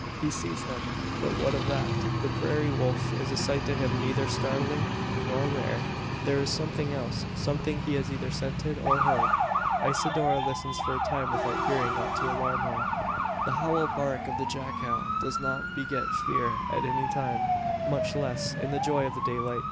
He sees them; but what of that? The prairie wolf is a sight to him neither startling, nor rare. There is something else something he has either scented, or heard. Isidora listens: for a time without hearing aught to alarm her. The howl bark of the jackal does not beget fear at any time; much less in the joy of the daylight.